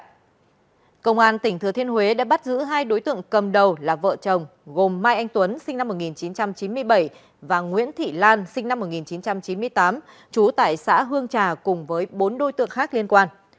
công an tỉnh thừa thiên huế đã bắt giữ hai đối tượng cầm đầu là vợ chồng gồm mai anh tuấn sinh năm một nghìn chín trăm chín mươi bảy và nguyễn thị lan sinh năm một nghìn chín trăm chín mươi tám trú tại xã hương trà cùng với bốn đối tượng khác liên quan